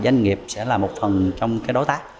doanh nghiệp sẽ là một phần trong đối tác